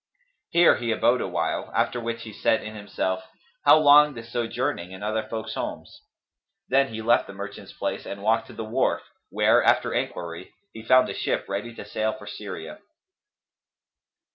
Here he abode awhile, after which he said in himself, "How long this sojourning in other folk's homes?" Then he left the merchant's place and walked to the wharf where, after enquiry, he found a ship ready to sail for Syria.